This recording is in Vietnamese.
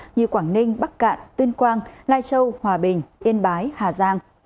như quảng ninh bắc cạn tuyên quang lai châu hòa bình yên bái hà giang